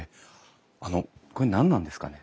あのこれ何なんですかね？